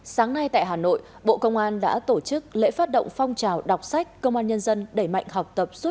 sáng nay tại hà nội bộ công an đã tổ chức lễ phát động phong trào đọc sách công an nhân dân đẩy mạnh học tập suốt đời